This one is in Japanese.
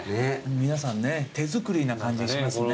皆さんね手作りな感じがしますね。